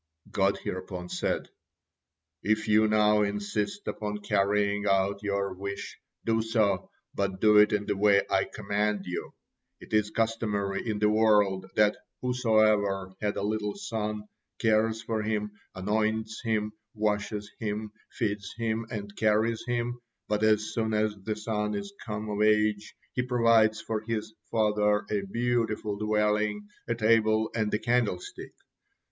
God hereupon said: "If you now insist upon carrying out your wish, do so, but do it in the way I command you. It is customary in the world that whosoever had a little son, cares for him, anoints him, washes him, feeds him, and carries him, but as soon as the son is come of age, he provides for his father a beautiful dwelling, a table, and a candlestick.